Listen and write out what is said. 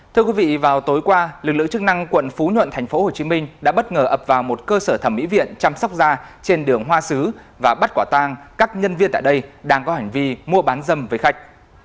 thưa quý vị vào tối qua lực lượng chức năng quận phú nhuận tp hcm đã bất ngờ ập vào một cơ sở thẩm mỹ viện chăm sóc da trên đường hoa xứ và bắt quả tang các nhân viên tại đây đang có hành vi mua bán dâm với khách